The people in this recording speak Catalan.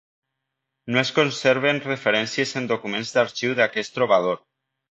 No es conserven referències en documents d'arxiu d'aquest trobador.